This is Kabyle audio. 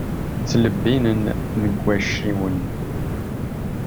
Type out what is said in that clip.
Ttlebbinen deg wacciwen.